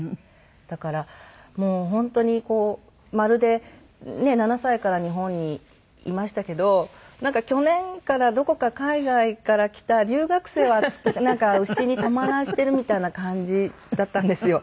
だからもう本当にまるでねえ７歳から日本にいましたけどなんか去年からどこか海外から来た留学生をうちに泊まらせているみたいな感じだったんですよ